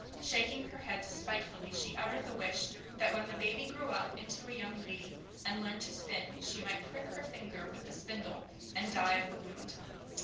Shaking her head spitefully, she uttered the wish that when the baby grew up into a young lady, and learned to spin, she might prick her finger with a spindle and die of the wound.